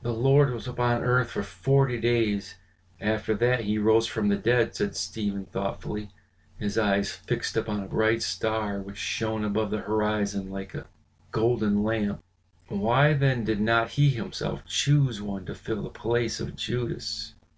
"The Lord was upon earth for forty days after that he arose from the dead," said Stephen thoughtfully, his eyes fixed upon a bright star which shone above the horizon like a golden lamp. "Why then did not he himself choose one to fill the place of Judas?"